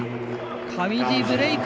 上地、ブレーク。